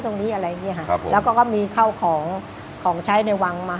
ตรงนี้อะไรอย่างเงี้ยครับผมแล้วก็ก็มีข้าวของของใช้ในวังมา